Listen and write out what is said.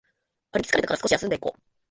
歩き疲れたから少し休んでいこう